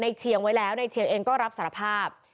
เชียงไว้แล้วในเชียงเองก็รับสารภาพ